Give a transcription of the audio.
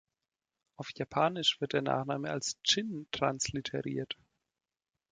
Auf Japanisch wird der Nachname als Chin transliteriert.